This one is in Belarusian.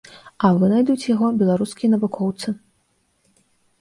А вынайдуць яго беларускія навукоўцы.